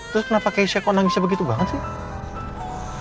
terus kenapa keisha kok nangisnya begitu banget sih